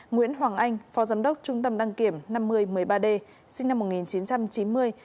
nguyễn hoàng anh phó giám đốc trung tâm đăng kiểm năm mươi một mươi ba d sinh năm một nghìn chín trăm chín mươi